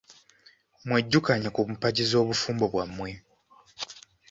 Mwejjukanye ku mpagi z’obufumbo bwammwe.